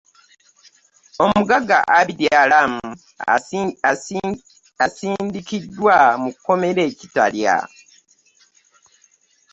Omugagga Abid Alam asindikiddwa mu kkomera e Kitalya